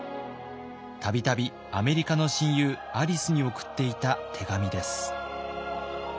度々アメリカの親友アリスに送っていた手紙です。